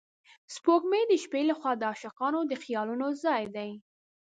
سپوږمۍ د شپې له خوا د عاشقانو د خیالونو ځای دی